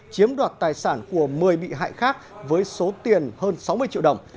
chiếm đoạt tài sản của một mươi bị hại khác với số tiền hơn sáu mươi triệu đồng